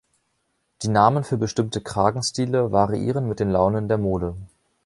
Die Namen für bestimmte Kragenstile variieren mit den Launen der Mode.